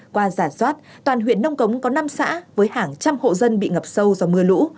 qua giả soát toàn huyện nông cống có năm xã với hàng trăm hộ dân bị ngập sâu do mưa lũ